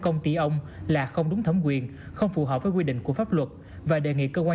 công ty ông là không đúng thẩm quyền không phù hợp với quy định của pháp luật và đề nghị cơ quan